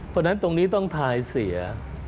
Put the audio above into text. เพราะฉะนั้นตรงนี้ต้องทายเสีย